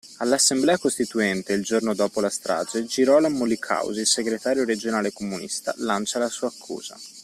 All'Assemblea costituente il giorno dopo la strage Girolamo Li Causi, segretario regionale comunista, lancia la sua accusa.